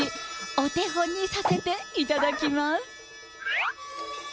お手本にさせていただきます。